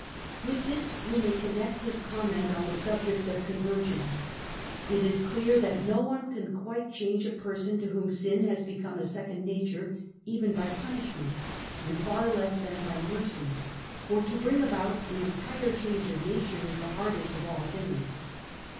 * With this we may connect his comment on the subject of con version : Mt is clear that no one can quite change a person to whom sin has become a second nature, even by punishment, and far less then by mercy ; for to bring about an entire change of nature is the hardest of all things.